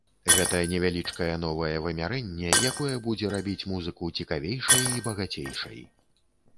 Гэта невялічкае новае вымярэнне, якое будзе рабіць музыку цікавейшай і багацейшай.